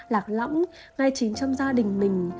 lạc lõng ngay chính trong gia đình mình